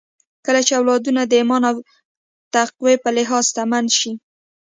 کله چې اولادونه د ايمان او تقوی په لحاظ شتمن سي